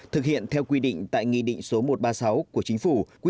thực hiện theo quy định tại nghị định số một trăm ba mươi sáu của chính phủ